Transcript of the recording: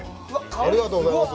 ありがとうございます。